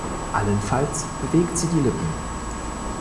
Allenfalls bewegt sie die Lippen.